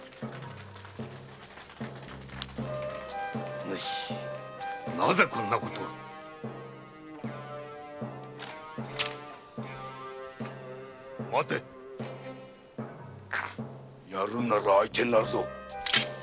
お主なぜこんな事を⁉待てやるんなら相手になるぞ。